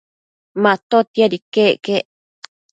Matotiad iquec quec